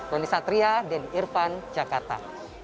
roni satria denny irvan jakarta